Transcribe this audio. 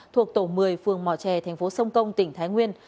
thuộc tổ một mươi phường mò trè tp sông công tỉnh thái nguyên